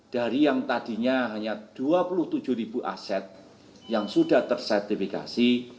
dari yang tadinya hanya dua puluh tujuh ribu aset yang sudah tersertifikasi